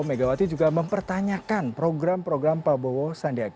megawati juga mempertanyakan program program prabowo sandiaga